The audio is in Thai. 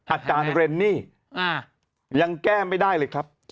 อาจารย์เรนนี่ยังแก้ไม่ได้เลยครับ